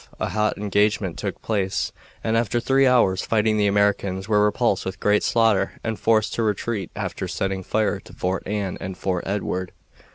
A hot engagement took place, and after three hours' fighting the Americans were repulsed with great slaughter and forced to retreat after setting fire to Fort Anne and Fort Edward.